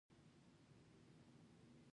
په دې حالت کې اړیکې ناهمغږې کیږي.